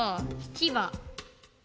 きば？